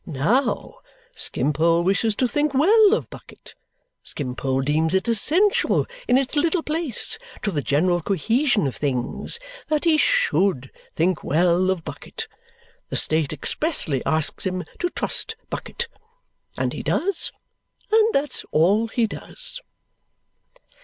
Now, Skimpole wishes to think well of Bucket; Skimpole deems it essential, in its little place, to the general cohesion of things, that he SHOULD think well of Bucket. The state expressly asks him to trust to Bucket. And he does. And that's all he does!"